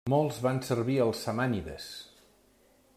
Molts van servir als samànides.